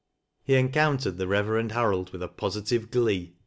He encountered the Reverend Harold with positive glee.